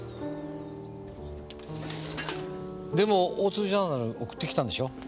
でも大津ジャーナル送ってきたんでしょう？